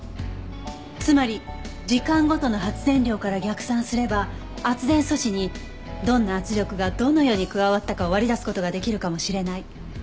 つまり時間ごとの発電量から逆算すれば圧電素子にどんな圧力がどのように加わったかを割り出す事ができるかもしれない。